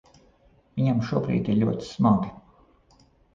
Viņam šobrīd ir ļoti smagi.